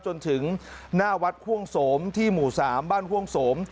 จนถึงหน้าวัดห่วงโสมที่หมู่๓บ้านห่วงสม